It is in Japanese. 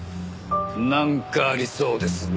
なんかありそうですね。